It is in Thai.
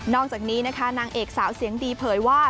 อกจากนี้นะคะนางเอกสาวเสียงดีเผยว่า